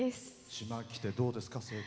島に来てどうですか？